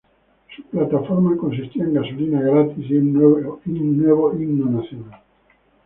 Su "plataforma" consistía en gasolina gratis y un nuevo himno nacional.